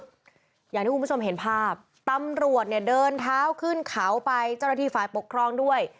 อย่างที่คุณผู้ชมเห็นภาพตำรวจเนี่ยเดินเท้าขึ้นเขาไปเจ้าหน้าที่ฝ่ายปกครองด้วย